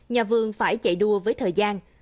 nhà vương phải chạy đua với thời gian